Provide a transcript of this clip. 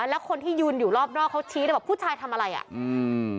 แล้วคนที่ยืนอยู่รอบนอกเขาชี้เลยบอกผู้ชายทำอะไรอ่ะอืม